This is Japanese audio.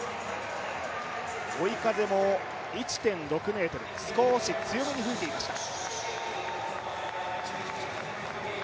追い風も１．６ｍ、少し強めに吹いていました。